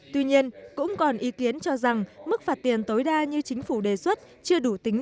tuy nhiên cũng còn ý kiến cho rằng mức phạt tiền tối đa như chính phủ đề xuất chưa đủ tính